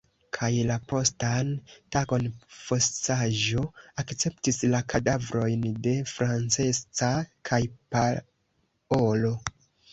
Kaj la postan tagon fosaĵo akceptis la kadavrojn de Francesca kaj Paolo.